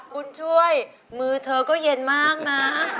บุญช่วยมือเธอก็เย็นมากนะ